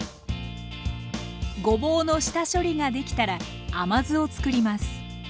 ごぼうの下処理ができたら甘酢をつくります。